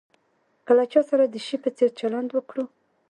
که له چا سره د شي په څېر چلند وکړو.